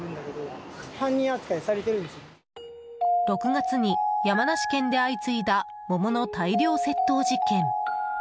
６月に山梨県で相次いだ桃の大量窃盗事件。